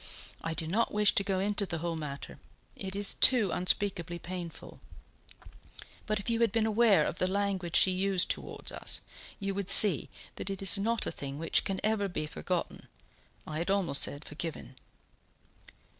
I do not wish to go into the whole matter, it is too unspeakably painful; but if you had been aware of the language she used towards us, you would see that it is not a thing which can ever be forgotten I had almost said forgiven."